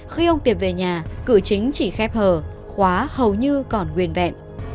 khi ông tiệp về nhà cửa chính chỉ khép hờ khóa hầu như còn nguyên vẹn